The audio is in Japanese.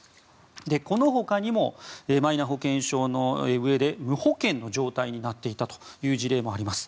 このほかにもマイナ保険証のうえで無保険の状態になっていたという事例があります。